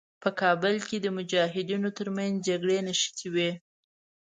په کابل کې د مجاهدینو تر منځ جګړې نښتې وې.